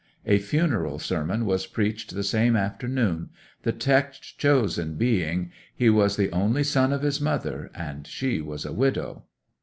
A funeral sermon was preached the same afternoon, the text chosen being, "He was the only son of his mother, and she was a widow."